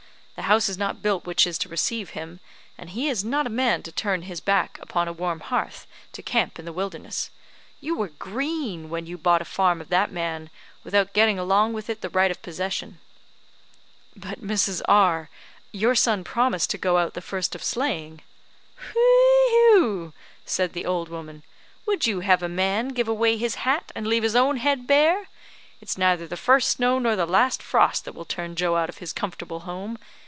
The house is not built which is to receive him; and he is not a man to turn his back upon a warm hearth to camp in the wilderness. You were green when you bought a farm of that man, without getting along with it the right of possession." "But, Mrs. R , your son promised to go out the first of sleighing." "Wheugh!" said the old woman. "Would you have a man give away his hat and leave his own head bare? It's neither the first snow nor the last frost that will turn Joe out of his comfortable home.